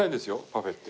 パフェって。